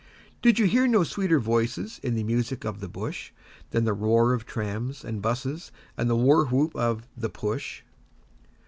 Did you hear no sweeter voices in the music of the bush Than the roar of trams and 'buses, and the war whoop of 'the push'?